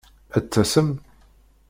Ad d-tasem?